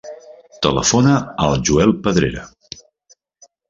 Telefona al Joel Pedrera.